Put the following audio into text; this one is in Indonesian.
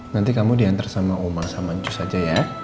nanti kamu diantar sama uma sama ancus aja ya